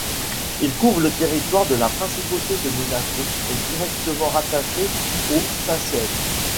Il couvre le territoire de la principauté de Monaco et directement rattaché au Saint-Siège.